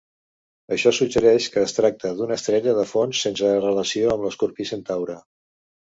Això suggereix que es tracta d'una estrella de fons sense relació amb Escorpí-Centaure.